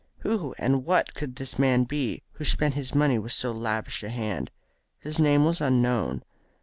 Who and what could this man be who spent his money with so lavish a hand? His name was unknown.